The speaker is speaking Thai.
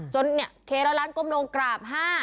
จนเนี่ยเคร้อยล้านก้มลงกราบ๕